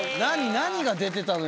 何が出てたの？